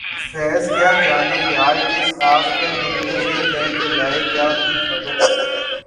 فیضؔ کیا جانیے یار کس آس پر منتظر ہیں کہ لائے گا کوئی خبر